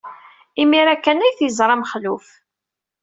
Imir-a kan ay t-yeẓra Mexluf.